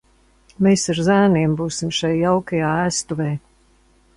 Mēs ar zēniem būsim šai jaukajā ēstuvē!